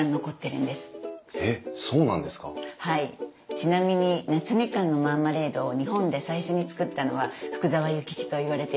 ちなみに夏みかんのマーマレードを日本で最初に作ったのは福沢諭吉といわれています。